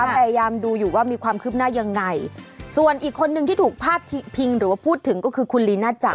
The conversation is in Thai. พยายามดูอยู่ว่ามีความคืบหน้ายังไงส่วนอีกคนนึงที่ถูกพาดพิงหรือว่าพูดถึงก็คือคุณลีน่าจัง